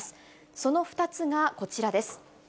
その２つがこちらです。